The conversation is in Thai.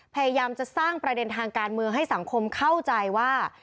พยายามจะสร้างประเด็นทางการเมืองให้สังคมเข้าใจว่า